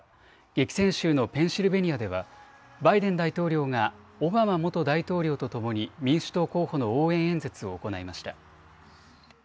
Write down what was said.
激戦州のペンシルベニアではバイデン大統領がオバマ元大統領とともに民主党候補の応援演説を行いました。